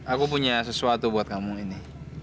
aku punya sesuatu buat kamu ini